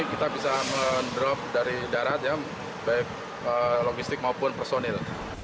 kita bisa drop dari darat baik logistik maupun personil